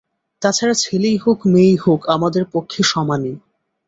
তা ছাড়া ছেলেই হোক, মেয়েই হোক, আমাদের পক্ষে সমানই।